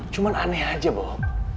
cuman aneh aja bob